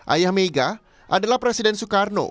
ayah mega adalah presiden soekarno